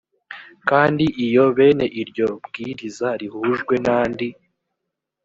kandi iyo bene iryo bwiriza rihujwe n andi